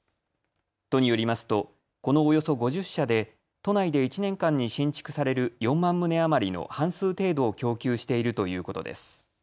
都によりますとこのおよそ５０社で都内で１年間に新築される４万棟余りの半数程度を供給しているということです。